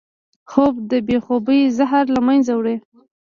خوب د بې خوبۍ زهر له منځه وړي